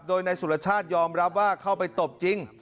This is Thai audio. โดยนายสุรชาติยอมรับว่าเข้าไปตบจริง